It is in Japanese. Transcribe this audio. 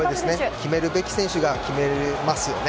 決めるべき選手が決めれますよね。